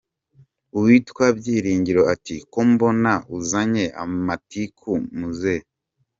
Uwitwa Byiringiro ati : "Ko mbona usazanye amatiku muze ?